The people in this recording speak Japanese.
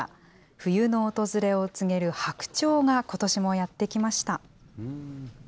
冬の訪れを告げる白鳥がことしもやって来ました。